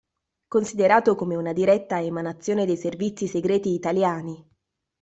Considerato come una diretta emanazione dei servizi segreti italiani.